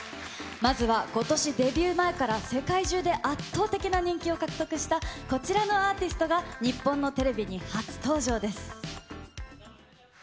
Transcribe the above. まずは、ことしデビュー前から、世界中で圧倒的な人気を獲得したこちらのアーティストが、日本のテレビに初登場です。